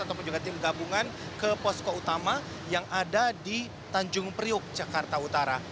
ataupun juga tim gabungan ke posko utama yang ada di tanjung priuk jakarta utara